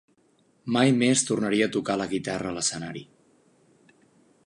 Mai més tornaria a tocar la guitarra a l'escenari.